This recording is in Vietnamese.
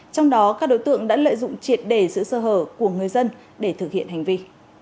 trong đó các đối tượng đã lợi dụng triệt đề sự sơ hở của người dân để thực hiện hành vi